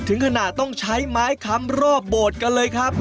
ถึงขนาดต้องใช้ไม้คำรอบโบสถ์กันเลยครับ